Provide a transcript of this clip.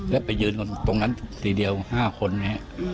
แล้วไปยืนตรงนั้นทีเดียว๕คนเนี่ย